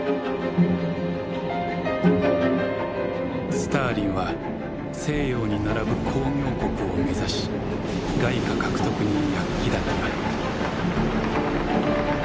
スターリンは西洋に並ぶ工業国を目指し外貨獲得に躍起だった。